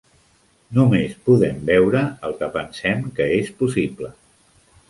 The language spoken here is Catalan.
Només podem veure el que pensem que és possible.